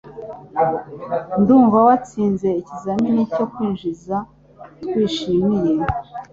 Ndumva watsinze ikizamini cyo kwinjira Twishimiye